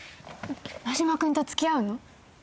真島君と付き合うの？